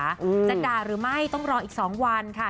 จะด่าหรือไม่ต้องรออีกสองวันค่ะ